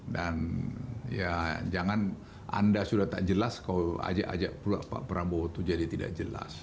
dan ya jangan anda sudah tak jelas kalau ajak ajak pula pak prabowo itu jadi tidak jelas